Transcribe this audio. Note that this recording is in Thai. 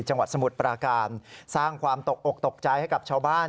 สมุทรปราการสร้างความตกอกตกใจให้กับชาวบ้าน